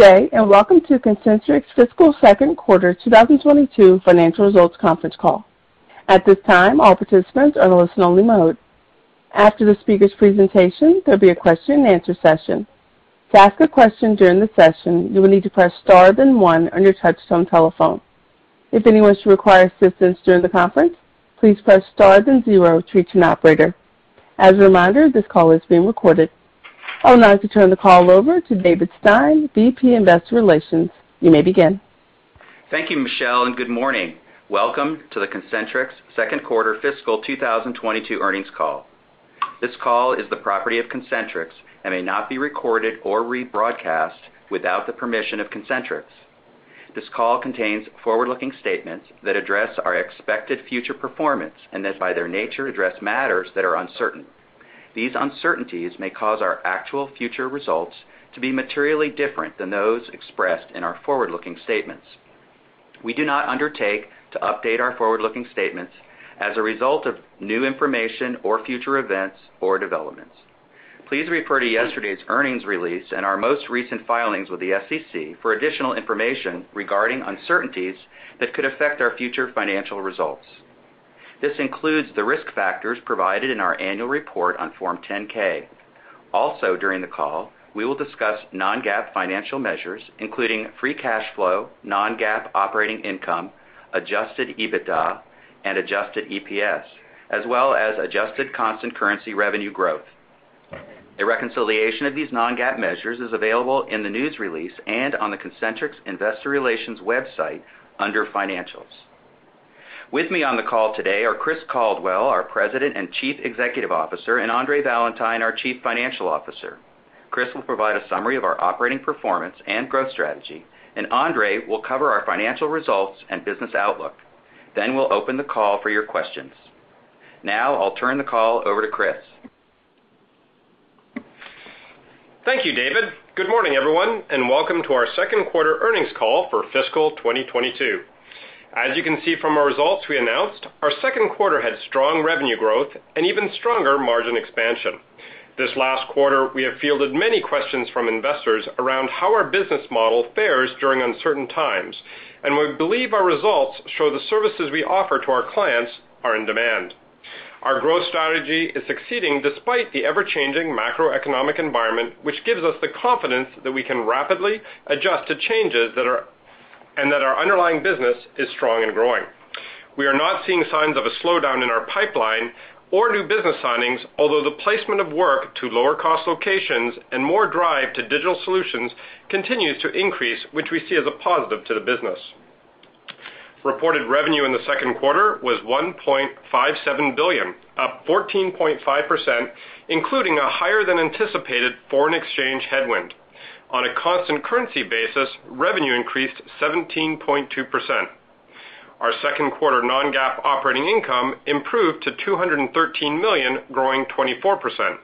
Good day, and welcome to Concentrix Fiscal Q2 2022 Financial Results conference call. At this time, all participants are in listen-only mode. After the speaker's presentation, there'll be a question-and-answer session. To ask a question during the session, you will need to press Star then one on your touchtone telephone. If anyone should require assistance during the conference, please press Star then zero to reach an operator. As a reminder, this call is being recorded. I would now like to turn the call over to David Stein, VP, Investor Relations. You may begin. Thank you, Michelle, and good morning. Welcome to the Concentrix Q2 fiscal 2022 earnings call. This call is the property of Concentrix and may not be recorded or rebroadcast without the permission of Concentrix. This call contains forward-looking statements that address our expected future performance and that by their nature address matters that are uncertain. These uncertainties may cause our actual future results to be materially different than those expressed in our forward-looking statements. We do not undertake to update our forward-looking statements as a result of new information or future events or developments. Please refer to yesterday's earnings release and our most recent filings with the SEC for additional information regarding uncertainties that could affect our future financial results. This includes the risk factors provided in our annual report on Form 10-K. Also, during the call, we will discuss non-GAAP financial measures, including free cash flow, non-GAAP operating income, adjusted EBITDA and adjusted EPS, as well as adjusted constant currency revenue growth. A reconciliation of these non-GAAP measures is available in the news release and on the Concentrix Investor Relations website under Financials. With me on the call today are Chris Caldwell, our President and Chief Executive Officer, and Andre Valentine, our Chief Financial Officer. Chris will provide a summary of our operating performance and growth strategy, and Andre will cover our financial results and business outlook. Then we'll open the call for your questions. Now I'll turn the call over to Chris. Thank you, David. Good morning, everyone, and welcome to our Q2 earnings call for fiscal 2022. As you can see from our results we announced, our Q2 had strong revenue growth and even stronger margin expansion. This last quarter, we have fielded many questions from investors around how our business model fares during uncertain times, and we believe our results show the services we offer to our clients are in demand. Our growth strategy is succeeding despite the ever-changing macroeconomic environment, which gives us the confidence that we can rapidly adjust to changes and that our underlying business is strong and growing. We are not seeing signs of a slowdown in our pipeline or new business signings, although the placement of work to lower cost locations and more drive to digital solutions continues to increase, which we see as a positive to the business. Reported revenue in the Q2 was $1.57 billion, up 14.5%, including a higher than anticipated foreign exchange headwind. On a constant currency basis, revenue increased 17.2%. Our Q2 non-GAAP operating income improved to $213 million, growing 24%.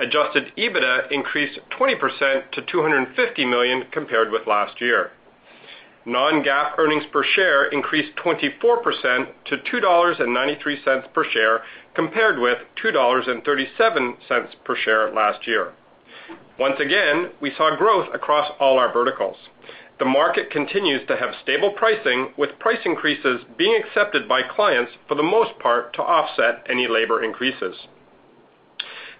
Adjusted EBITDA increased 20% to $250 million compared with last year. Non-GAAP earnings per share increased 24% to $2.93 per share compared with $2.37 per share last year. Once again, we saw growth across all our verticals. The market continues to have stable pricing, with price increases being accepted by clients for the most part to offset any labor increases.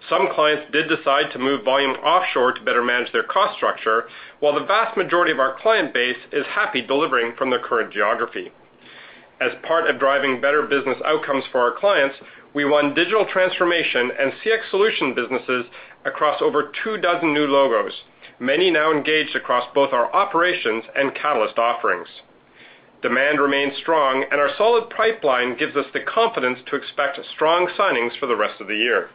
Some clients did decide to move volume offshore to better manage their cost structure, while the vast majority of our client base is happy delivering from their current geography. As part of driving better business outcomes for our clients, we won digital transformation and CX solution businesses across over two dozen new logos, many now engaged across both our operations and Catalyst offerings. Demand remains strong and our solid pipeline gives us the confidence to expect strong signings for the rest of the year.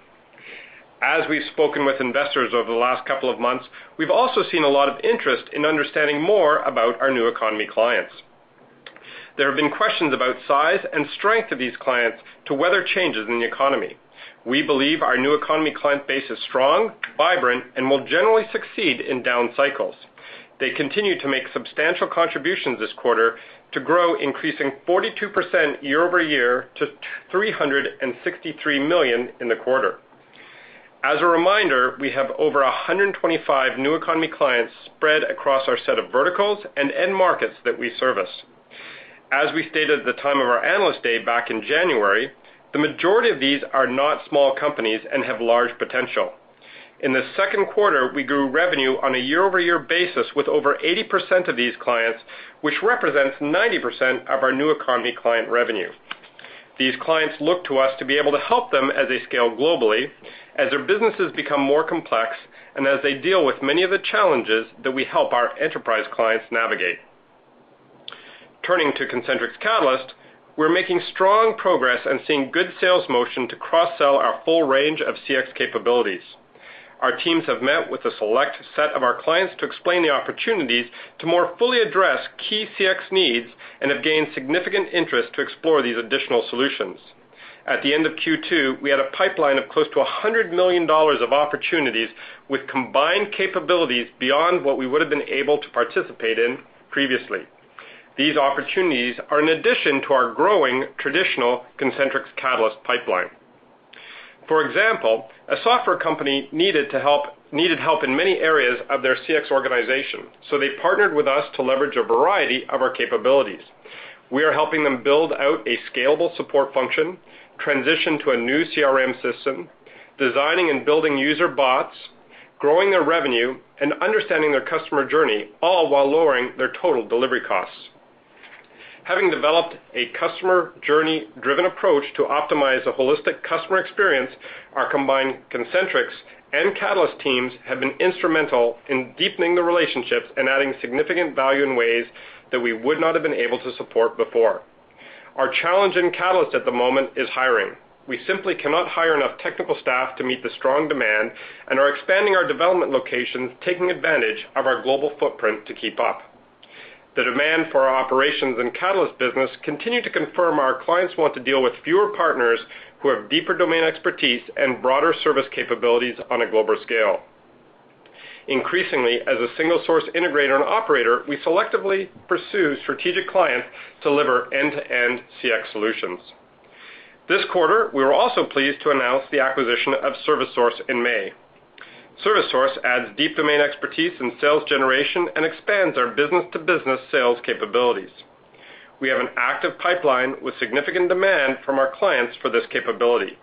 As we've spoken with investors over the last couple of months, we've also seen a lot of interest in understanding more about our new economy clients. There have been questions about size and strength of these clients to weather changes in the economy. We believe our new economy client base is strong, vibrant, and will generally succeed in down cycles. They continue to make substantial contributions this quarter to grow, increasing 42% year-over-year to $363 million in the quarter. As a reminder, we have over 125 new economy clients spread across our set of verticals and end markets that we service. As we stated at the time of our Analyst Day back in January, the majority of these are not small companies and have large potential. In the Q2, we grew revenue on a year-over-year basis with over 80% of these clients, which represents 90% of our new economy client revenue. These clients look to us to be able to help them as they scale globally, as their businesses become more complex, and as they deal with many of the challenges that we help our enterprise clients navigate. Turning to Concentrix Catalyst, we're making strong progress and seeing good sales motion to cross-sell our full range of CX capabilities. Our teams have met with a select set of our clients to explain the opportunities to more fully address key CX needs and have gained significant interest to explore these additional solutions. At the end of Q2, we had a pipeline of close to $100 million of opportunities with combined capabilities beyond what we would have been able to participate in previously. These opportunities are in addition to our growing traditional Concentrix Catalyst pipeline. For example, a software company needed help in many areas of their CX organization, so they partnered with us to leverage a variety of our capabilities. We are helping them build out a scalable support function, transition to a new CRM system, designing and building user bots, growing their revenue, and understanding their customer journey, all while lowering their total delivery costs. Having developed a customer journey-driven approach to optimize a holistic customer experience, our combined Concentrix and Catalyst teams have been instrumental in deepening the relationships and adding significant value in ways that we would not have been able to support before. Our challenge in Catalyst at the moment is hiring. We simply cannot hire enough technical staff to meet the strong demand and are expanding our development locations, taking advantage of our global footprint to keep up. The demand for our operations and Catalyst business continue to confirm our clients want to deal with fewer partners who have deeper domain expertise and broader service capabilities on a global scale. Increasingly, as a single source integrator and operator, we selectively pursue strategic clients to deliver end-to-end CX solutions. This quarter, we were also pleased to announce the acquisition of ServiceSource in May. ServiceSource adds deep domain expertise in sales generation and expands our business-to-business sales capabilities. We have an active pipeline with significant demand from our clients for this capability.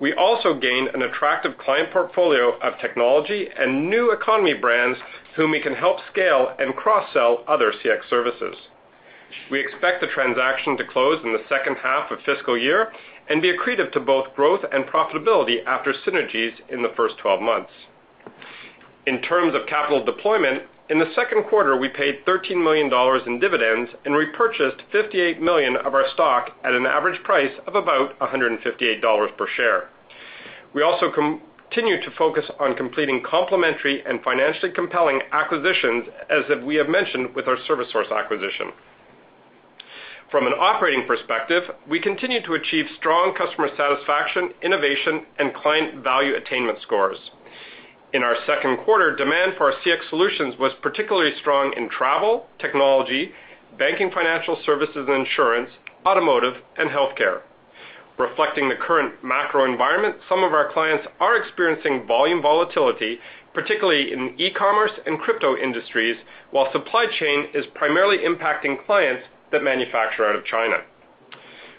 We also gained an attractive client portfolio of technology and new economy brands whom we can help scale and cross-sell other CX services. We expect the transaction to close in the H2 of fiscal year and be accretive to both growth and profitability after synergies in the first 12 months. In terms of capital deployment, in the Q2, we paid $13 million in dividends and repurchased $58 million of our stock at an average price of about $158 per share. We also continue to focus on completing complementary and financially compelling acquisitions as we have mentioned with our ServiceSource acquisition. From an operating perspective, we continue to achieve strong customer satisfaction, innovation, and client value attainment scores. In our Q2, demand for our CX solutions was particularly strong in travel, technology, banking, financial services and insurance, automotive, and healthcare. Reflecting the current macro environment, some of our clients are experiencing volume volatility, particularly in e-commerce and crypto industries, while supply chain is primarily impacting clients that manufacture out of China.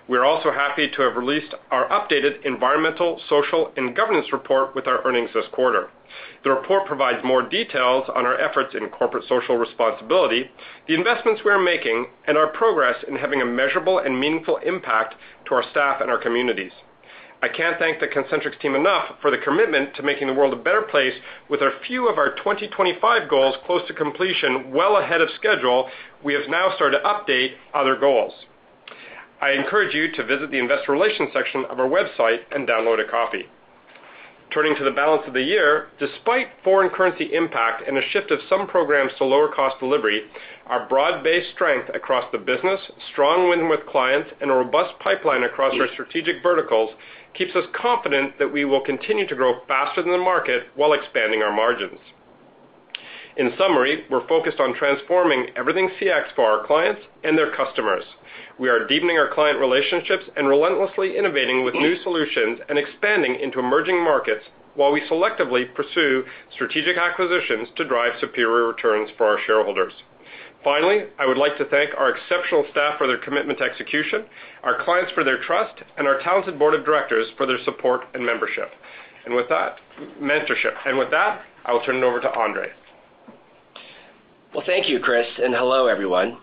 We're also happy to have released our updated environmental, social, and governance report with our earnings this quarter. The report provides more details on our efforts in corporate social responsibility, the investments we are making, and our progress in having a measurable and meaningful impact to our staff and our communities. I can't thank the Concentrix team enough for the commitment to making the world a better place. With a few of our 2025 goals close to completion well ahead of schedule, we have now started to update other goals. I encourage you to visit the Investor Relations section of our website and download a copy. Turning to the balance of the year, despite foreign currency impact and a shift of some programs to lower cost delivery, our broad-based strength across the business, strong wins with clients, and a robust pipeline across our strategic verticals keeps us confident that we will continue to grow faster than the market while expanding our margins. In summary, we're focused on transforming everything CX for our clients and their customers. We are deepening our client relationships and relentlessly innovating with new solutions and expanding into emerging markets while we selectively pursue strategic acquisitions to drive superior returns for our shareholders. Finally, I would like to thank our exceptional staff for their commitment to execution, our clients for their trust, and our talented board of directors for their support and mentorship. With that, I will turn it over to Andre. Well, thank you, Chris, and hello, everyone.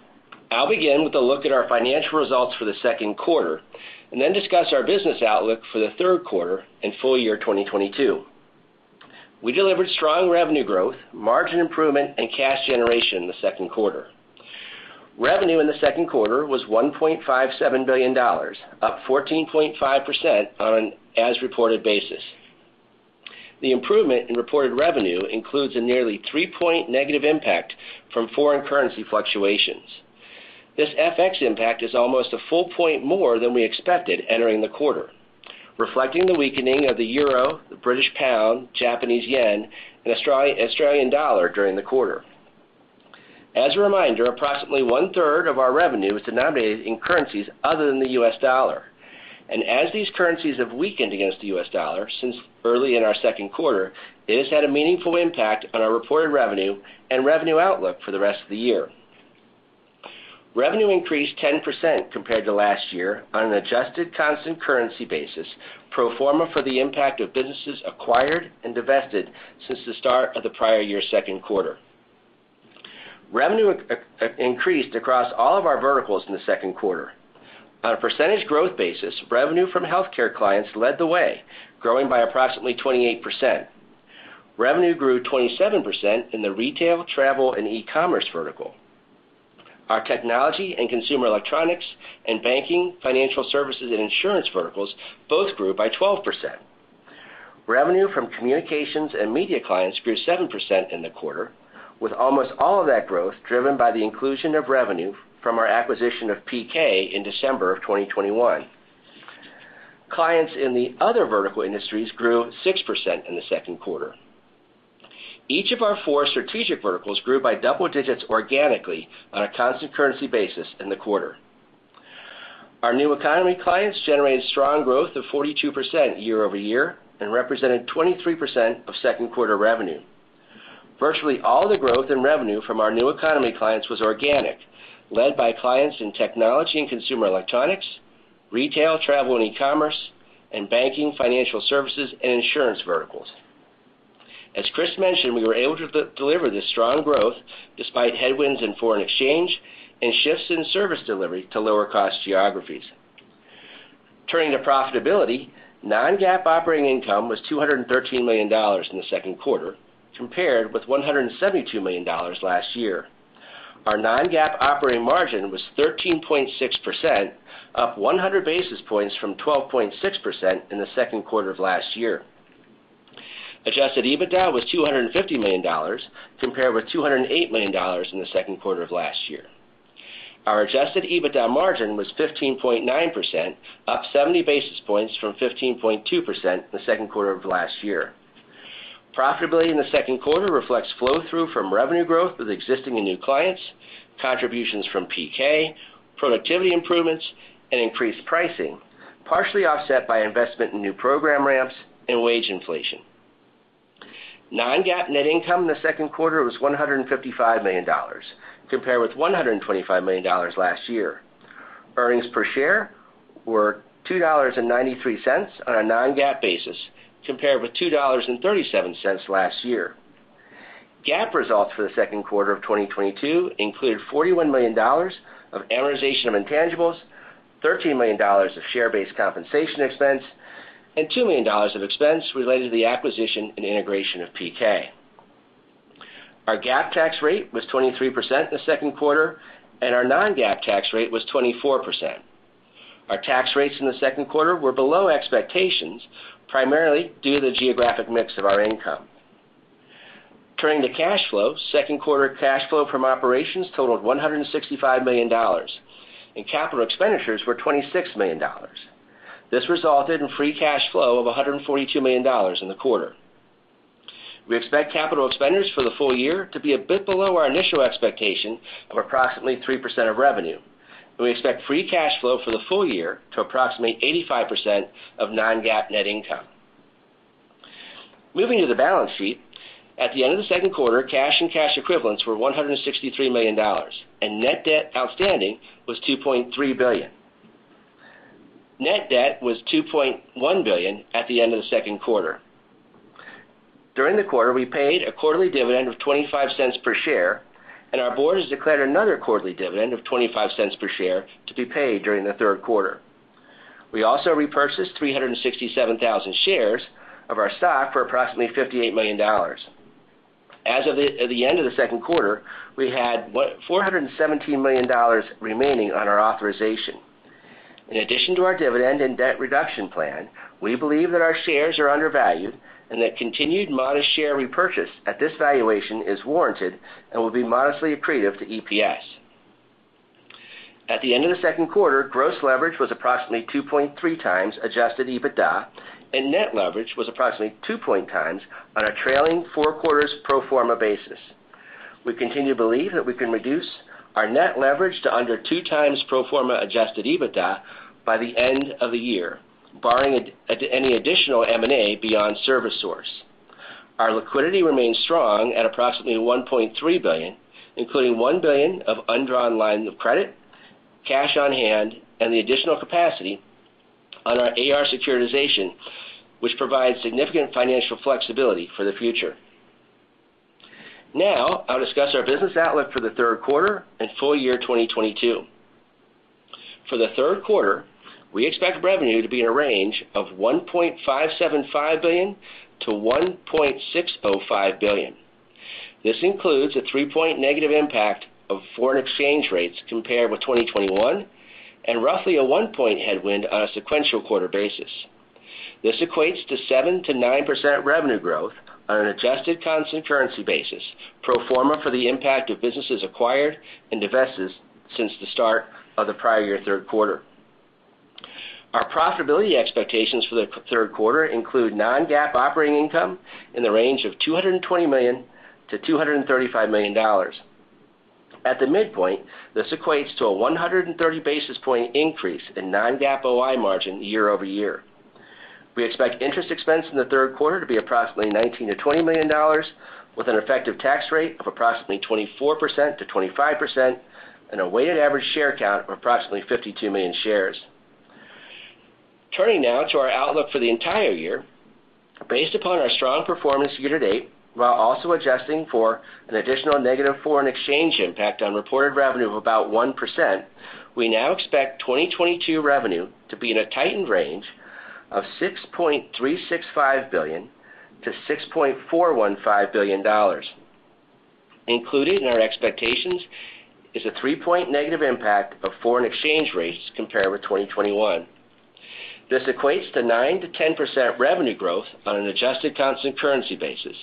I'll begin with a look at our financial results for the Q2 and then discuss our business outlook for the Q3 and full year 2022. We delivered strong revenue growth, margin improvement, and cash generation in the Q2. Revenue in the Q2 was $1.57 billion, up 14.5% on an as-reported basis. The improvement in reported revenue includes a nearly 3-point negative impact from foreign currency fluctuations. This FX impact is almost a full point more than we expected entering the quarter, reflecting the weakening of the euro, the British pound, Japanese yen, and Australian dollar during the quarter. As a reminder, approximately 1/3 of our revenue is denominated in currencies other than the U.S. dollar. As these currencies have weakened against the U.S. dollar since early in our Q2, it has had a meaningful impact on our reported revenue and revenue outlook for the rest of the year. Revenue increased 10% compared to last year on an adjusted constant currency basis, pro forma for the impact of businesses acquired and divested since the start of the prior year's Q2. Revenue increased across all of our verticals in the Q2. On a percentage growth basis, revenue from healthcare clients led the way, growing by approximately 28%. Revenue grew 27% in the retail, travel, and e-commerce vertical. Our technology and consumer electronics and banking, financial services, and insurance verticals both grew by 12%. Revenue from communications and media clients grew 7% in the quarter, with almost all of that growth driven by the inclusion of revenue from our acquisition of PK in December of 2021. Clients in the other vertical industries grew 6% in the Q2. Each of our four strategic verticals grew by double digits organically on a constant currency basis in the quarter. Our new economy clients generated strong growth of 42% year-over-year and represented 23% of Q2 revenue. Virtually all the growth in revenue from our new economy clients was organic, led by clients in technology and consumer electronics, retail, travel, and e-commerce, and banking, financial services, and insurance verticals. As Chris mentioned, we were able to deliver this strong growth despite headwinds in foreign exchange and shifts in service delivery to lower cost geographies. Turning to profitability, non-GAAP operating income was $213 million in the Q2, compared with $172 million last year. Our non-GAAP operating margin was 13.6%, up 100 basis points from 12.6% in the Q2 of last year. Adjusted EBITDA was $250 million, compared with $208 million in the Q2 of last year. Our adjusted EBITDA margin was 15.9%, up 70 basis points from 15.2% in the Q2 of last year. Profitability in the Q2 reflects flow-through from revenue growth with existing and new clients, contributions from PK, productivity improvements, and increased pricing, partially offset by investment in new program ramps and wage inflation. Non-GAAP net income in the Q2 was $155 million, compared with $125 million last year. Earnings per share were $2.93 on a non-GAAP basis, compared with $2.37 last year. GAAP results for the Q2 of 2022 included $41 million of amortization of intangibles, $13 million of share-based compensation expense, and $2 million of expense related to the acquisition and integration of PK. Our GAAP tax rate was 23% in the Q2, and our non-GAAP tax rate was 24%. Our tax rates in the Q2 were below expectations, primarily due to the geographic mix of our income. Turning to cash flow, Q2 cash flow from operations totaled $165 million, and capital expenditures were $26 million. This resulted in free cash flow of $142 million in the quarter. We expect capital expenditures for the full year to be a bit below our initial expectation of approximately 3% of revenue, and we expect free cash flow for the full year to approximate 85% of non-GAAP net income. Moving to the balance sheet, at the end of the Q2, cash and cash equivalents were $163 million, and net debt outstanding was $2.3 billion. Net debt was $2.1 billion at the end of the Q2. During the quarter, we paid a quarterly dividend of $0.25 per share, and our board has declared another quarterly dividend of $0.25 per share to be paid during the Q3. We also repurchased 367,000 shares of our stock for approximately $58 million. As of at the end of the Q2, we had $417 million remaining on our authorization. In addition to our dividend and debt reduction plan, we believe that our shares are undervalued and that continued modest share repurchase at this valuation is warranted and will be modestly accretive to EPS. At the end of the Q2, gross leverage was approximately 2.3x adjusted EBITDA, and net leverage was approximately 2.0x on a trailing four quarters pro forma basis. We continue to believe that we can reduce our net leverage to under 2x pro forma adjusted EBITDA by the end of the year, barring any additional M&A beyond ServiceSource. Our liquidity remains strong at approximately $1.3 billion, including $1 billion of undrawn lines of credit, cash on hand, and the additional capacity on our AR securitization, which provides significant financial flexibility for the future. Now, I'll discuss our business outlook for the Q3 and full year 2022. For the Q3, we expect revenue to be in a range of $1.575 billion-$1.605 billion. This includes a 3-point negative impact of foreign exchange rates compared with 2021, and roughly a 1-point headwind on a sequential quarter basis. This equates to 7%-9% revenue growth on an adjusted constant currency basis, pro forma for the impact of businesses acquired and divested since the start of the prior year Q3. Our profitability expectations for the Q3 include non-GAAP operating income in the range of $220 million-$235 million. At the midpoint, this equates to a 130 basis point increase in non-GAAP OI margin year-over-year. We expect interest expense in the Q3 to be approximately $19 million-$20 million, with an effective tax rate of approximately 24%-25% and a weighted average share count of approximately 52 million shares. Turning now to our outlook for the entire year, based upon our strong performance year to date, while also adjusting for an additional negative foreign exchange impact on reported revenue of about 1%, we now expect 2022 revenue to be in a tightened range of $6.365 billion-$6.415 billion. Included in our expectations is a 3-point negative impact of foreign exchange rates compared with 2021. This equates to 9%-10% revenue growth on an adjusted constant currency basis,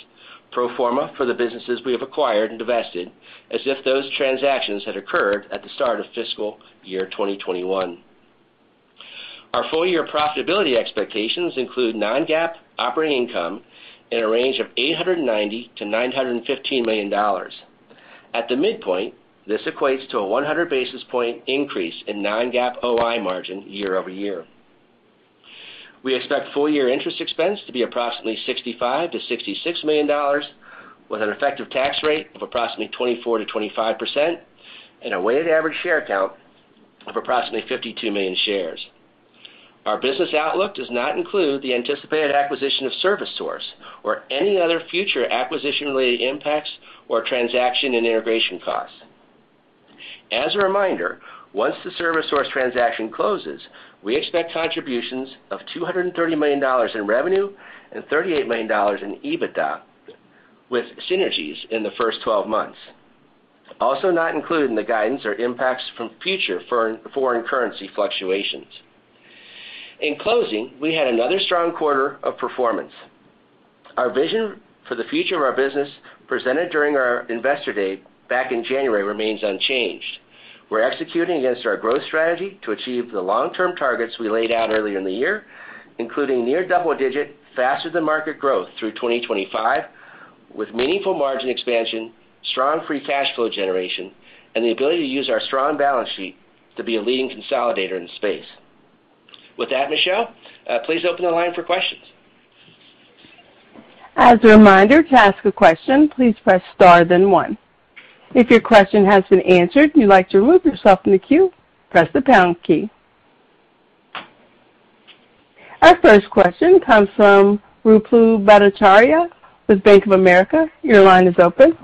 pro forma for the businesses we have acquired and divested as if those transactions had occurred at the start of fiscal year 2021. Our full year profitability expectations include non-GAAP operating income in a range of $890 million-$915 million. At the midpoint, this equates to a 100 basis point increase in non-GAAP OI margin year-over-year. We expect full year interest expense to be approximately $65 million-$66 million with an effective tax rate of approximately 24%-25% and a weighted average share count of approximately 52 million shares. Our business outlook does not include the anticipated acquisition of ServiceSource or any other future acquisition-related impacts or transaction and integration costs. As a reminder, once the ServiceSource transaction closes, we expect contributions of $230 million in revenue and $38 million in EBITDA, with synergies in the first 12 months. Also not included in the guidance are impacts from future foreign currency fluctuations. In closing, we had another strong quarter of performance. Our vision for the future of our business presented during our investor day back in January remains unchanged. We're executing against our growth strategy to achieve the long-term targets we laid out earlier in the year, including near double-digit faster than market growth through 2025, with meaningful margin expansion, strong free cash flow generation, and the ability to use our strong balance sheet to be a leading consolidator in the space. With that, Michelle, please open the line for questions. As a reminder, to ask a question, please press star then one. If your question has been answered, and you'd like to remove yourself from the queue, press the pound key. Our first question comes from Ruplu Bhattacharya with Bank of America. Your line is open.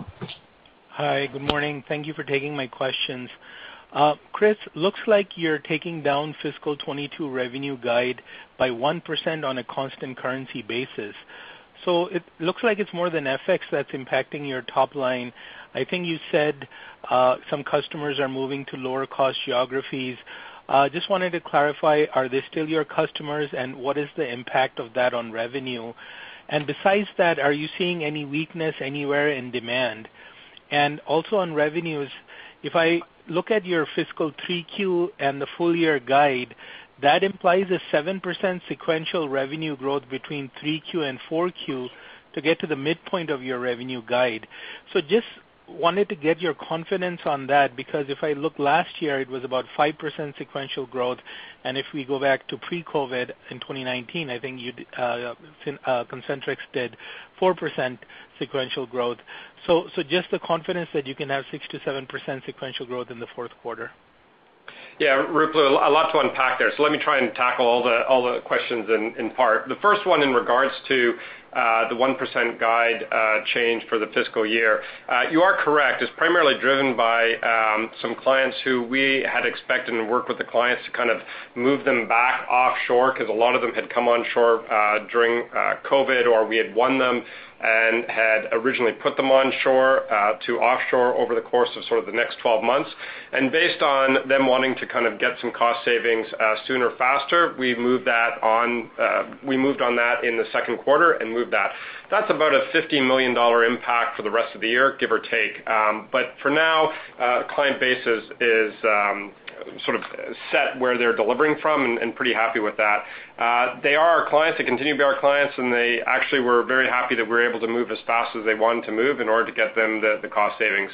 Hi. Good morning. Thank you for taking my questions. Chris, looks like you're taking down fiscal 2022 revenue guide by 1% on a constant currency basis. It looks like it's more than FX that's impacting your top line. I think you said, some customers are moving to lower cost geographies. Just wanted to clarify, are they still your customers, and what is the impact of that on revenue? Besides that, are you seeing any weakness anywhere in demand? Also on revenues, if I look at your fiscal Q3 and the full year guide, that implies a 7% sequential revenue growth between Q3 and Q4 to get to the midpoint of your revenue guide. Just wanted to get your confidence on that, because if I look last year, it was about 5% sequential growth. If we go back to pre-COVID in 2019, I think Concentrix did 4% sequential growth. Just the confidence that you can have 6%-7% sequential growth in the Q4. Yeah. Ruplu, a lot to unpack there. Let me try and tackle all the questions in part. The first one in regards to the 1% guide change for the fiscal year. You are correct. It's primarily driven by some clients who we had expected and worked with the clients to kind of move them back offshore 'cause a lot of them had come onshore during COVID, or we had won them and had originally put them onshore to offshore over the course of sort of the next 12 months. Based on them wanting to kind of get some cost savings sooner, faster, we've moved on that in the Q2 and moved that. That's about a $50 million impact for the rest of the year, give or take. For now, client base is sort of set where they're delivering from and pretty happy with that. They are our clients. They continue to be our clients, and they actually were very happy that we're able to move as fast as they wanted to move in order to get them the cost savings.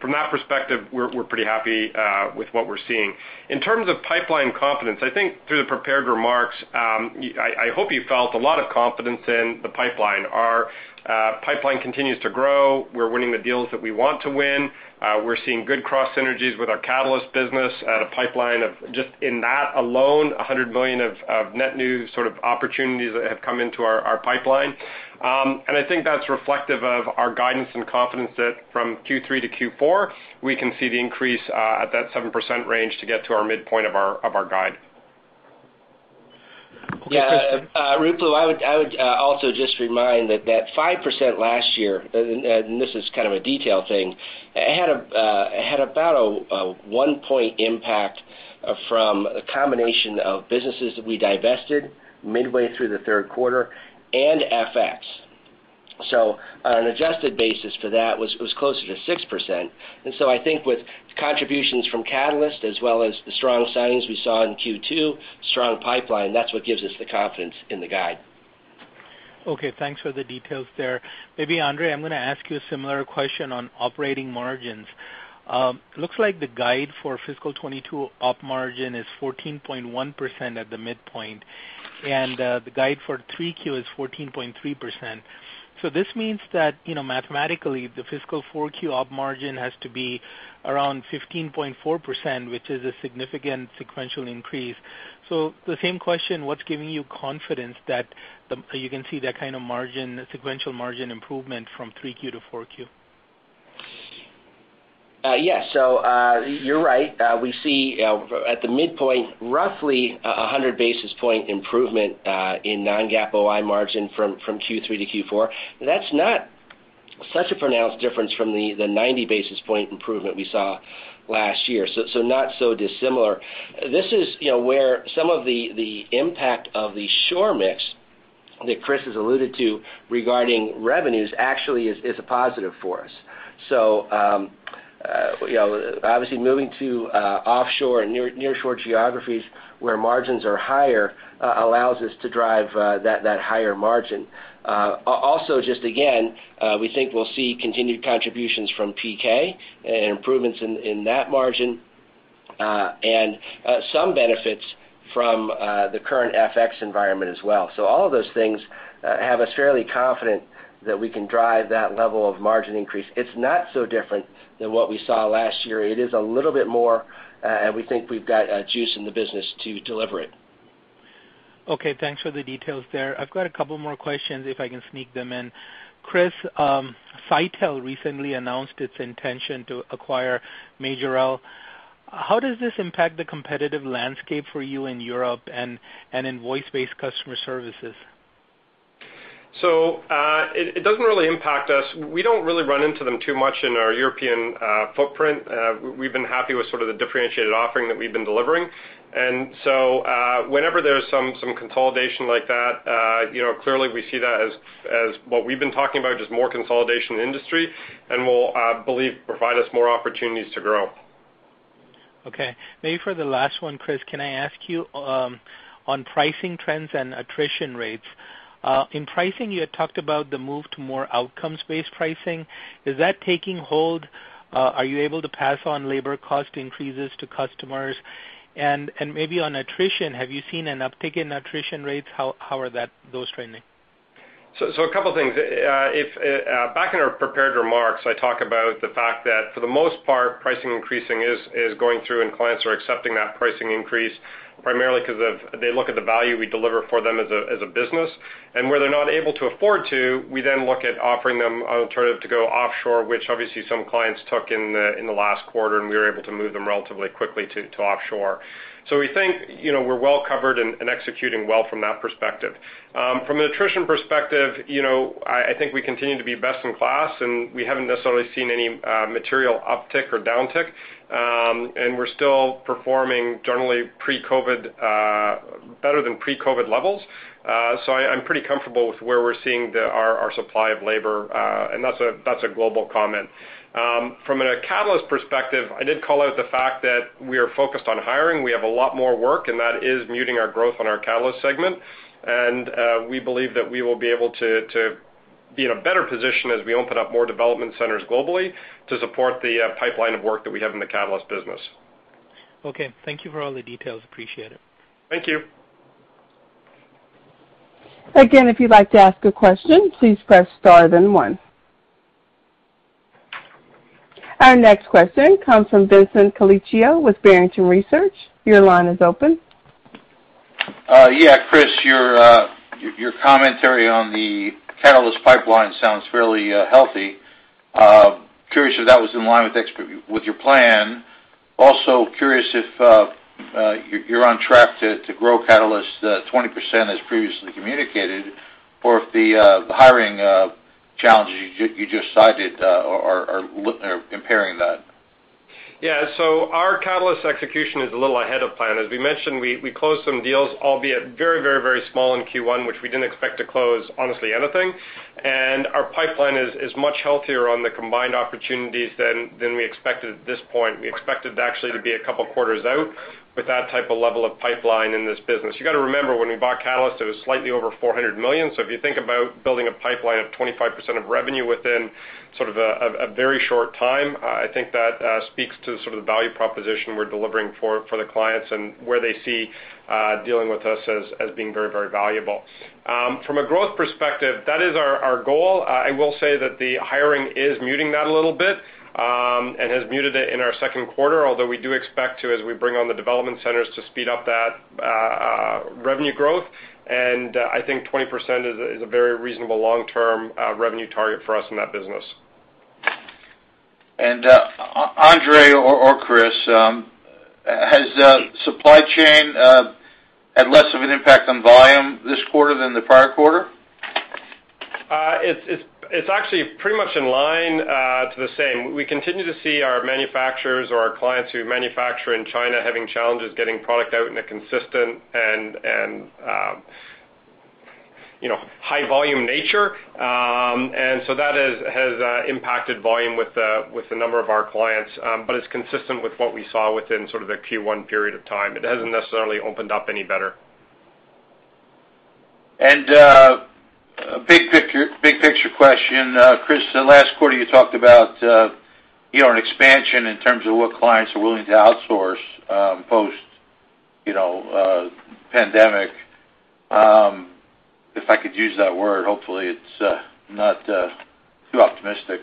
From that perspective, we're pretty happy with what we're seeing. In terms of pipeline confidence, I think through the prepared remarks, I hope you felt a lot of confidence in the pipeline. Our pipeline continues to grow. We're winning the deals that we want to win. We're seeing good cross synergies with our Catalyst business at a pipeline of just in that alone, 100 million of net new sort of opportunities that have come to our pipeline. I think that's reflective of our guidance and confidence that from Q3 to Q4, we can see the increase at that 7% range to get to our midpoint of our guide. Yeah, Ruplu, I would also just remind that 5% last year, and this is kind of a detail thing, it had about a 1-point impact from a combination of businesses that we divested midway through the Q3 and FX. On an adjusted basis that was closer to 6%. I think with contributions from Catalyst as well as the strong signs we saw in Q2, strong pipeline, that's what gives us the confidence in the guide. Okay. Thanks for the details there. Maybe, Andre, I'm gonna ask you a similar question on operating margins. Looks like the guide for fiscal 2022 op margin is 14.1% at the midpoint, and the guide for Q3 is 14.3%. This means that, you know, mathematically, the fiscal Q4 op margin has to be around 15.4%, which is a significant sequential increase. The same question, what's giving you confidence that you can see that kind of margin, sequential margin improvement from Q3 to Q4? Yeah. You're right. We see at the midpoint, roughly a 100 basis point improvement in non-GAAP OI margin from Q3 to Q4. That's not such a pronounced difference from the 90 basis point improvement we saw last year. Not so dissimilar. This is, you know, where some of the impact of the shore mix that Chris has alluded to regarding revenues actually is a positive for us. You know, obviously moving to offshore and near shore geographies where margins are higher allows us to drive that higher margin. Also, just again, we think we'll see continued contributions from PK and improvements in that margin. Some benefits from the current FX environment as well. All of those things have us fairly confident that we can drive that level of margin increase. It's not so different than what we saw last year. It is a little bit more, and we think we've got juice in the business to deliver it. Okay. Thanks for the details there. I've got a couple more questions if I can sneak them in. Chris, Sitel recently announced its intention to acquire Majorel. How does this impact the competitive landscape for you in Europe and in voice-based customer services? It doesn't really impact us. We don't really run into them too much in our European footprint. We've been happy with sort of the differentiated offering that we've been delivering. Whenever there's some consolidation like that, you know, clearly we see that as what we've been talking about, just more consolidation in the industry, and we believe it will provide us more opportunities to grow. Okay. Maybe for the last one, Chris, can I ask you on pricing trends and attrition rates? In pricing, you had talked about the move to more outcomes-based pricing. Is that taking hold? Are you able to pass on labor cost increases to customers? Maybe on attrition, have you seen an uptick in attrition rates? How are those trending? A couple things. Back in our prepared remarks, I talk about the fact that for the most part, pricing increases are going through, and clients are accepting that pricing increase primarily 'cause they look at the value we deliver for them as a business. Where they're not able to afford to, we then look at offering them an alternative to go offshore, which obviously some clients took in the last quarter, and we were able to move them relatively quickly to offshore. We think, you know, we're well covered and executing well from that perspective. From an attrition perspective, you know, I think we continue to be best in class, and we haven't necessarily seen any material uptick or downtick. We're still performing generally pre-COVID better than pre-COVID levels. I'm pretty comfortable with where we're seeing our supply of labor, and that's a global comment. From a Catalyst perspective, I did call out the fact that we are focused on hiring. We have a lot more work, and that is muting our growth on our Catalyst segment. We believe that we will be able to be in a better position as we open up more development centers globally to support the pipeline of work that we have in the Catalyst business. Okay. Thank you for all the details. Appreciate it. Thank you. Again, if you'd like to ask a question, please press Star then one. Our next question comes from Vincent Colicchio with Barrington Research. Your line is open. Yeah, Chris, your commentary on the Catalyst pipeline sounds fairly healthy. Curious if that was in line with your plan. Also curious if you're on track to grow Catalyst 20% as previously communicated, or if the hiring challenges you just cited are impairing that. Yeah. Our Catalyst execution is a little ahead of plan. As we mentioned, we closed some deals, albeit very small in Q1, which we didn't expect to close honestly anything. Our pipeline is much healthier on the combined opportunities than we expected at this point. We expected to actually be a couple quarters out with that type of level of pipeline in this business. You got to remember, when we bought Catalyst, it was slightly over $400 million. If you think about building a pipeline of 25% of revenue within sort of a very short time, I think that speaks to sort of the value proposition we're delivering for the clients and where they see dealing with us as being very valuable. From a growth perspective, that is our goal. I will say that the hiring is muting that a little bit, and has muted it in our Q2, although we do expect to, as we bring on the development centers, to speed up that revenue growth. I think 20% is a very reasonable long-term revenue target for us in that business. Andre or Chris, has supply chain had less of an impact on volume this quarter than the prior quarter? It's actually pretty much in line with the same. We continue to see our manufacturers or our clients who manufacture in China having challenges getting product out in a consistent and, you know, high volume nature. That has impacted volume with the number of our clients. It's consistent with what we saw within sort of the Q1 period of time. It hasn't necessarily opened up any better. Big picture question. Chris, last quarter, you talked about, you know, an expansion in terms of what clients are willing to outsource, post-pandemic, if I could use that word, hopefully it's not too optimistic.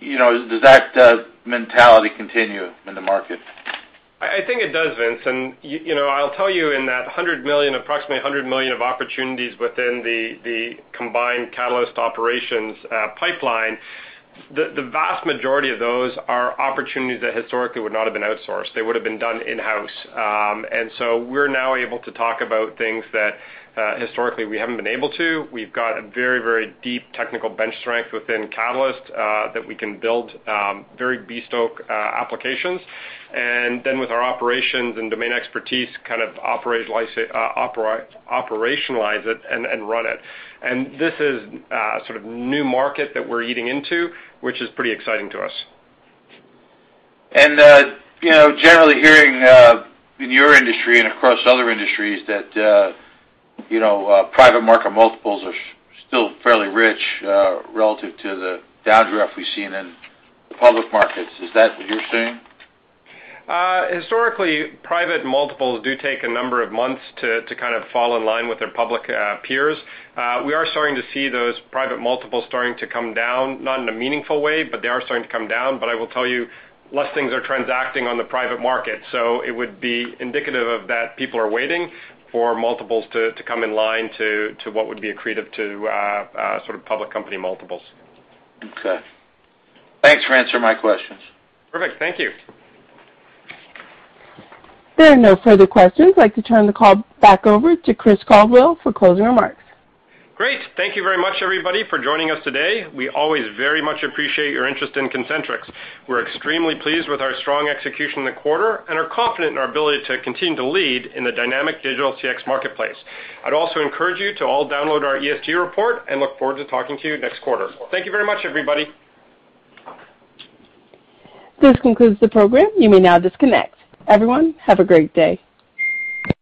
You know, does that mentality continue in the market? I think it does, Vince. You know, I'll tell you in that approximately 100 million of opportunities within the combined Catalyst operations pipeline, the vast majority of those are opportunities that historically would not have been outsourced. They would have been done in-house. We're now able to talk about things that historically we haven't been able to. We've got a very, very deep technical bench strength within Catalyst that we can build very bespoke applications, and then with our operations and domain expertise, kind of operationalize it and run it. This is sort of new market that we're eating into, which is pretty exciting to us. You know, generally hearing in your industry and across other industries that you know private market multiples are still fairly rich relative to the downdraft we've seen in the public markets. Is that what you're seeing? Historically, private multiples do take a number of months to kind of fall in line with their public peers. We are starting to see those private multiples starting to come down, not in a meaningful way, but they are starting to come down. I will tell you, less things are transacting on the private market, so it would be indicative of that people are waiting for multiples to come in line to what would be accretive to sort of public company multiples. Okay. Thanks for answering my questions. Perfect. Thank you. There are no further questions. I'd like to turn the call back over to Chris Caldwell for closing remarks. Great. Thank you very much, everybody, for joining us today. We always very much appreciate your interest in Concentrix. We're extremely pleased with our strong execution in the quarter and are confident in our ability to continue to lead in the dynamic digital CX marketplace. I'd also encourage you to all download our ESG report and look forward to talking to you next quarter. Thank you very much, everybody. This concludes the program. You may now disconnect. Everyone, have a great day.